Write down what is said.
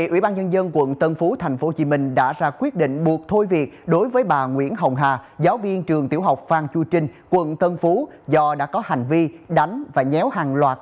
ủy ban nhân dân quận tân phú tp hcm đã ra quyết định buộc thôi việc đối với bà nguyễn hồng hà giáo viên trường tiểu học phan chu trinh quận tân phú do đã có hành vi đánh và nhéo hàng loạt